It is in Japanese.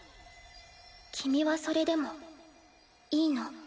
君はそれでもいいの？